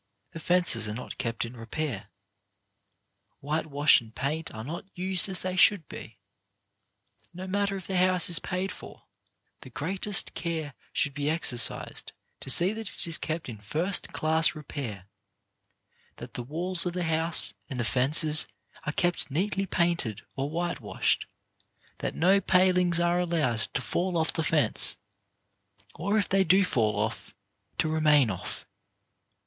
The fences are not kept in repair. Whitewash and paint are not used as they should be. After the house is paid for, the greatest care should be exercised to see that it is kept in first class re pair; that the walls of the house and the fences ON GETTING A HOME 59 are kept neatly painted or whitewashed; that no palings are allowed to fall off the fence, or if they do fall off, to remain off.